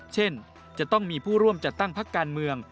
เช่นจะต้องมีผู้ร่วมจัดตั้งพักการเมือง